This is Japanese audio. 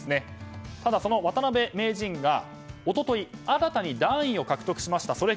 ただ、その渡辺名人が、一昨日新たに段位を獲得しました。